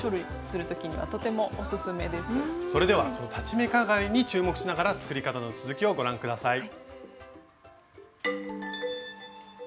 それではその裁ち目かがりに注目しながら作り方の続きをご覧下さい。